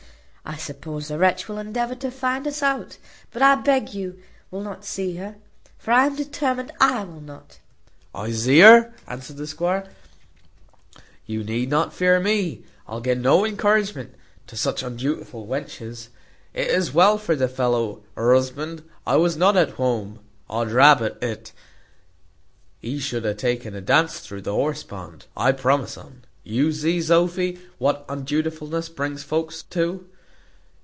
I suppose the wretch will endeavour to find us out, but I beg you will not see her, for I am determined I will not." "I zee her!" answered the squire; "you need not fear me. I'll ge no encouragement to such undutiful wenches. It is well for the fellow, her husband, I was not at huome. Od rabbit it, he should have taken a dance thru the horse pond, I promise un. You zee, Sophy, what undutifulness brings volks to.